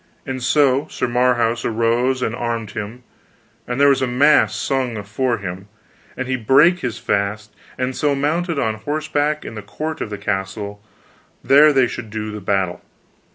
And so Sir Marhaus arose and armed him, and there was a mass sung afore him, and he brake his fast, and so mounted on horseback in the court of the castle, there they should do the battle.